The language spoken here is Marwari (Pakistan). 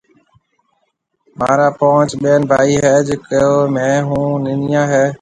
مهارا پونچ ٻين ڀائِي هيَ جيڪو مهيَ هون ننَييا هيَ